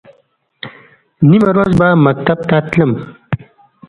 نیمه ورځ به مکتب ته تلم.